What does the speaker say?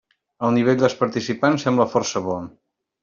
El nivell dels participants sembla força bo.